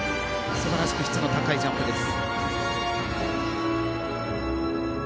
素晴らしく質の高いジャンプでした。